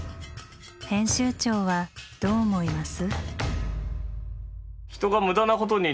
編集長はどう思います？